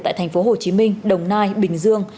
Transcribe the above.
tại thành phố hồ chí minh đồng nai bình dương